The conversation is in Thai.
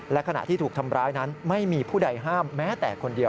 และขณะที่ถูกทำร้ายนั้นไม่มีผู้ใดห้ามแม้แต่คนเดียว